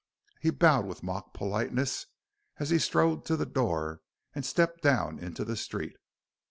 He bowed with mock politeness as he strode to the door and stepped down into the street.